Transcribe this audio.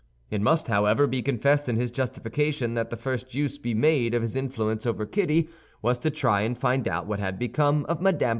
It must, however, be confessed in his justification that the first use he made of his influence over Kitty was to try and find out what had become of Mme.